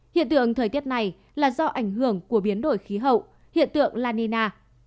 hiện tượng thời tiết này là do ảnh hưởng của biến đổi khí hậu hiện tượng lanina